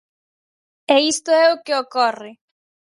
E isto é o que ocorre.